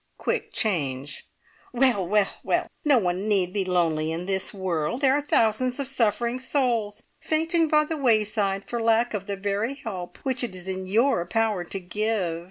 (Quick change!) Well! Well! No one need be lonely in this world. There are thousands of suffering souls fainting by the wayside for lack of the very help which it is in your power to give.